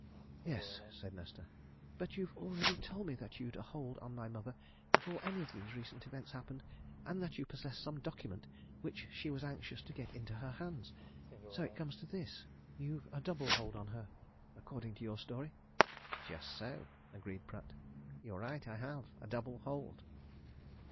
"Yes," said Nesta, "but you've already told me that you'd a hold on my mother before any of these recent events happened, and that you possess some document which she was anxious to get into her hands. So it comes to this you've a double hold on her, according to your story." "Just so," agreed Pratt. "You're right, I have a double hold."